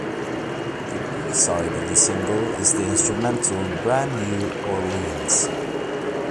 The B-side of the single is the instrumental "Brand New Orleans".